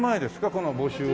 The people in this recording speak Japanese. この募集は。